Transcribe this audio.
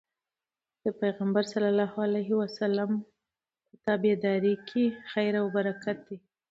د پيغمبر په تابعدارۍ کي خير او برکت دی